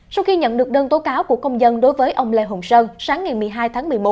sau khi nhận được đơn tố cáo của công dân đối với ông lê hồng sơn sáng ngày một mươi hai tháng một mươi một